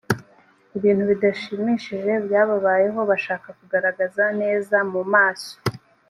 ibintu bidashimishije byababayeho bashaka kugaragara neza mu maso